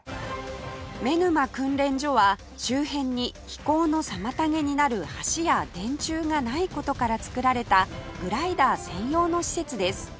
妻沼訓練所は周辺に飛行の妨げになる橋や電柱がない事から作られたグライダー専用の施設です